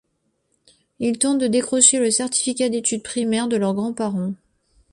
Ils tentent de décrocher le certificat d'études primaires de leurs grands-parents.